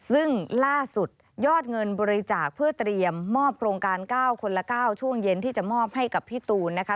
ซึ่งล่าสุดยอดเงินบริจาคเพื่อเตรียมมอบโครงการ๙คนละ๙ช่วงเย็นที่จะมอบให้กับพี่ตูนนะคะ